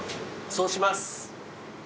そうします。